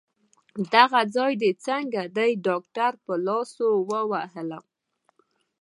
دغه ځای دي څنګه دی؟ ډاکټر په لاسو ووهلم.